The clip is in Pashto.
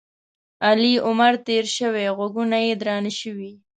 علي عمر تېر شوی؛ غوږونه یې درانه شوي.